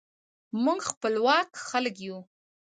موږ خپواک خلک نه یو.